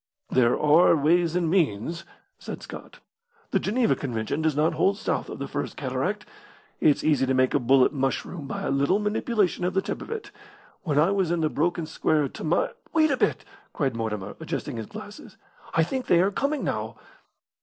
"There are ways and means," said Scott. "The Geneva Convention does not hold south of the first cataract. It's easy to make a bullet mushroom by a little manipulation of the tip of it. When I was in the broken square at Tamai " "Wait a bit," cried Mortimer, adjusting his glasses. "I think they are coming now."